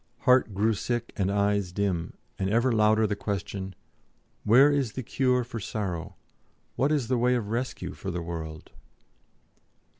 Heart grew sick and eyes dim, and ever louder sounded the question, "Where is the cure for sorrow, what the way of rescue for the world?"